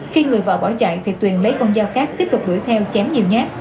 khi người vợ bỏ chạy thì tuyền lấy con dao khác kích thuật đuổi theo chém nhiều nhát